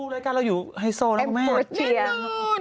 รายการเราอยู่ไฮโซแล้วคุณแม่แน่นอน